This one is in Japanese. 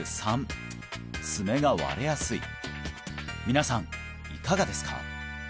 皆さんいかがですか？